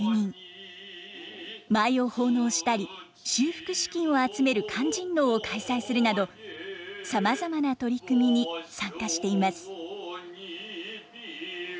舞を奉納したり修復資金を集める勧進能を開催するなどさまざまな取り組みに参加しています。